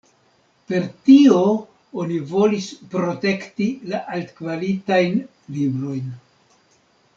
Per tio oni volis protekti la altkvalitajn librojn.